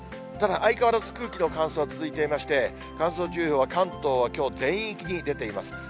ただ相変わらず空気の乾燥は続いていまして、乾燥注意報は、関東はきょう全域に出ています。